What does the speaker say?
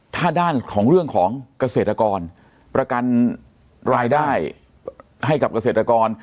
ถ้าด้านของเรื่องของเกษตรกรประกันรายได้ให้กับเกษตรกร